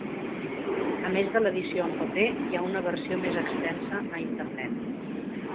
A més de l'edició en paper hi ha una versió més extensa a Internet.